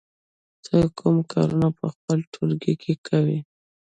ته کوم کارونه په خپل ټولګي کې کوې؟